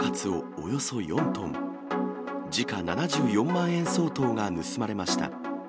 およそ４トン、時価７４万円相当が盗まれました。